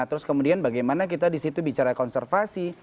terus kemudian bagaimana kita di situ bicara konservasi